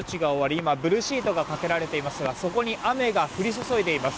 今、ブルーシートがかけられていますが、そこに雨が降り注いでいます。